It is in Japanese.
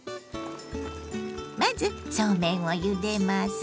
まずそうめんをゆでます。